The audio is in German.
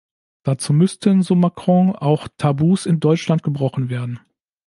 Dazu müssten, so Macron, auch Tabus in Deutschland gebrochen werden.